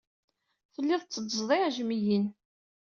Telliḍ tetteddzeḍ iɛejmiyen.